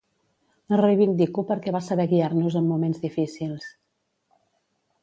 La reivindico perquè va saber guiar-nos en moments difícils.